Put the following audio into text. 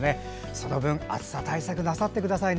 その分、暑さ対策なさってくださいね。